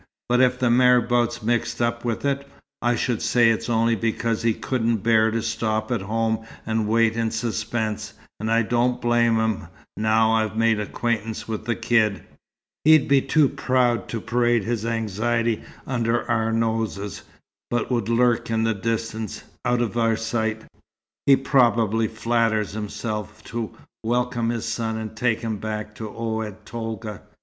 But if the marabout's mixed up with it, I should say it's only because he couldn't bear to stop at home and wait in suspense, and I don't blame him, now I've made acquaintance with the kid. He'd be too proud to parade his anxiety under our noses, but would lurk in the distance, out of our sight, he probably flatters himself, to welcome his son, and take him back to Oued Tolga.